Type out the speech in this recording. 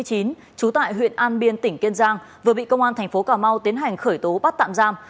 trú tại huyện an biên tỉnh kiên giang vừa bị công an tp cm tiến hành khởi tố bắt tạm giam